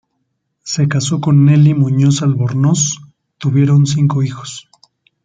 Se casó con Nelly Muñoz Albornoz, tuvieron cinco hijos.